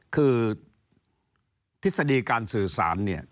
คือทฤษฎีการสื่อสารเนี่ย